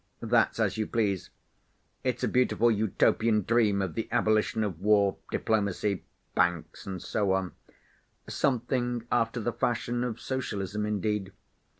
That's as you please. It's a beautiful Utopian dream of the abolition of war, diplomacy, banks, and so on—something after the fashion of socialism, indeed.